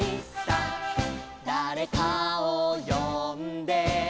「だれかをよんで」